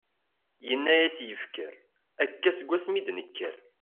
Yenna-as yifker : akka seg asmi i d-nekker.